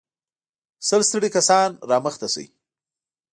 سل ستړي کسان را مخته شئ.